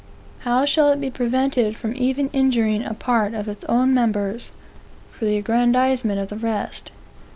How shall it be prevented from even injuring a part of its own members, for the aggrandizement of the rest?